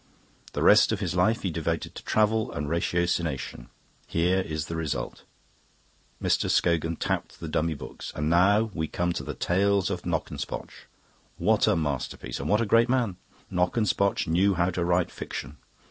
The rest of his life he devoted to travel and ratiocination; here is the result." Mr. Scogan tapped the dummy books. "And now we come to the 'Tales of Knockespotch'. What a masterpiece and what a great man! Knockespotch knew how to write fiction.